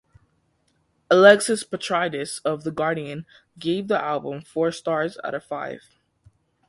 Alexis Petridis of "The Guardian" gave the album four stars out of five.